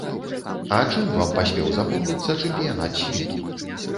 А чым вам паспеў запомніцца чэмпіянат свету?